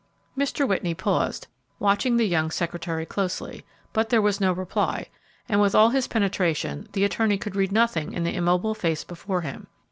Mr. Whitney paused, watching the young secretary closely, but there was no reply, and, with all his penetration, the attorney could read nothing in the immobile face before him.